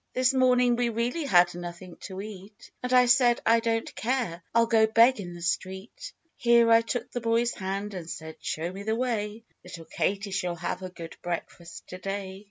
This morning we really had nothing to eat, And I said, I don't care ! I'll go beg in the street !' Here I took the boy's hand, and said, ' Show me the way ; Little Katy shall have a good breakfast to day